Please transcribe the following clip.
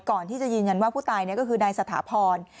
ก่อนที่จะยืนยันว่าผู้ตายก็คือในสถาพร